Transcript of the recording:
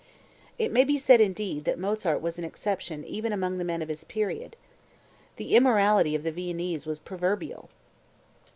It may be said, indeed, that Mozart was an exception among the men of his period. The immorality of the Viennese was proverbial.